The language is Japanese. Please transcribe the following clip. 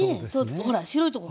ほら白いとこ